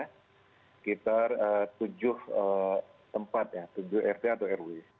sekitar tujuh tempat ya tujuh rt atau rw